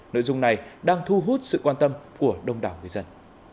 nội dung này đang thu hút sự quan tâm của đông đảo người dân